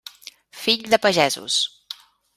Fill de pagesos.